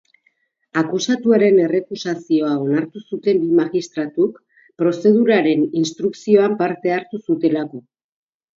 Akusatuaren errekusazioa onartu zuten bi magistratuk, prozeduraren instrukzioan parte hartu zutelako.